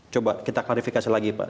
coba kita klarifikasi lagi pak